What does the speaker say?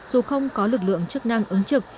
dù không có lực lượng chức năng ứng trực